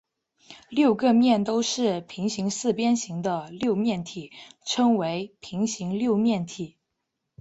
六个面都是平行四边形的六面体称为平行六面体。